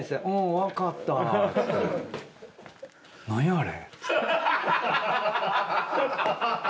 「何やあれ」。